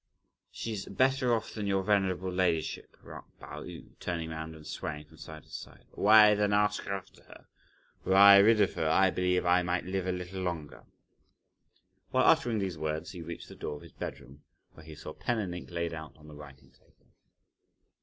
"She's better off than your venerable ladyship," remarked Pao yü, turning round and swaying from side to side. "Why then ask after her? Were I rid of her, I believe I might live a little longer." While uttering these words, he reached the door of his bedroom, where he saw pen and ink laid out on the writing table.